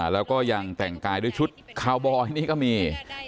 แล้วก็ยังแต่งกายด้วยชุดคาวบอยนี่ก็มี